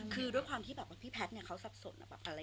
คือด้วยความที่แพทย์เขาซับสนอะไรอย่างนี้